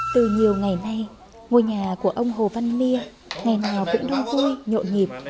từ nhiều ngày nay ngôi nhà của ông hồ văn mya ngày nào cũng đông vui nhộn nhịp